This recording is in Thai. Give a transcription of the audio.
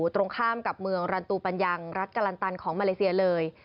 ตรงข้ามกับเมืองรันตูปัญญังรัฐกะลันตันของมาเลเซียเลย